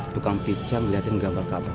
tukang pica melihat gambar gambar